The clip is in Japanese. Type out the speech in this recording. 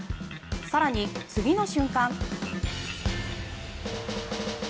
更に、次の瞬間。